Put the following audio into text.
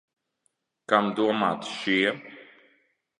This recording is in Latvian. Kam domāti šie?